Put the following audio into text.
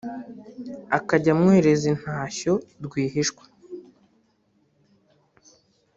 akajya amwoherereza intashyo rwihishwa